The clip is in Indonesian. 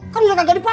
kan udah gak dipake